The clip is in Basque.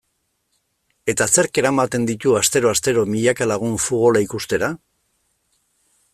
Eta zerk eramaten ditu astero-astero milaka lagun futbola ikustera?